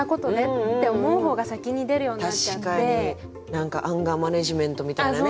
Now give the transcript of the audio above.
何かアンガーマネジメントみたいなね